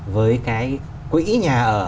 với cái quỹ nhà ở